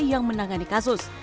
yang menangani kasus